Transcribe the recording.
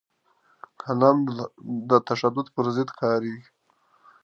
قلم د تشدد پر ضد کارېږي